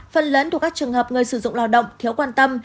phần lớn của các trường hợp người sử dụng lao động thiếu quan tâm